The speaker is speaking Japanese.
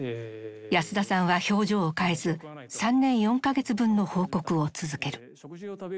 安田さんは表情を変えず３年４か月分の報告を続ける。